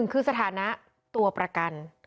คือสถานะตัวประกัน